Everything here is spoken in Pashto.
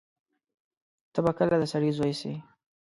ته به کله د سړی زوی سې.